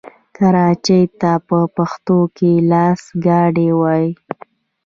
کراچۍ ته په پښتو کې لاسګاډی وايي.